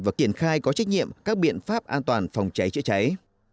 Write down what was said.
và triển khai có trách nhiệm các biện pháp an toàn phòng cháy chữa cháy